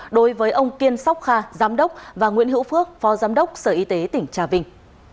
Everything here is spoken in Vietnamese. đối với ông kiên sóc kha giám đốc và nguyễn hữu phước phó giám đốc sở y tế tỉnh trà vinh